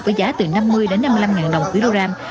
với giá từ năm mươi năm mươi năm ngàn đồng ký đô ram